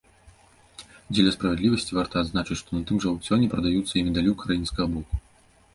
Дзеля справядлівасці варта адзначыць, што на тым жа аўкцыёне прадаюцца і медалі ўкраінскага боку.